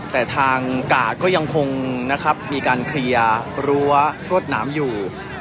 แต่ทางกาดก็ยังคงนะครับมีการเคลียร์รั้วรวดหนามอยู่